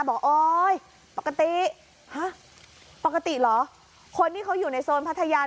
โอ๊ยปกติฮะปกติเหรอคนที่เขาอยู่ในโซนพัทยา